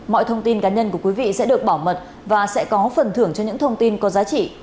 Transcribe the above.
mọi thông tin cá nhân của quý vị sẽ được bảo mật và sẽ có phần thưởng cho những thông tin có giá trị